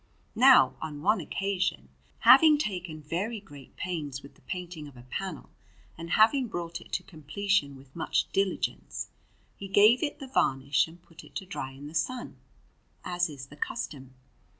Now, on one occasion, having taken very great pains with the painting of a panel, and having brought it to completion with much diligence, he gave it the varnish and put it to dry in the sun, as is the custom.